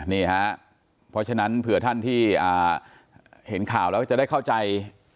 นี่ฮะเพราะฉะนั้นเผื่อท่านที่เห็นข่าวแล้วจะได้เข้าใจ